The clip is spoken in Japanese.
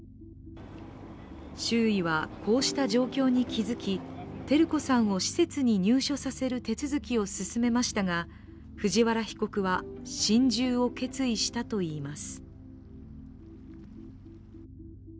周囲は、こうした状況に気づき照子さんを施設に入所させる手続きを進めましたが藤原被告は心中を決意したといいます。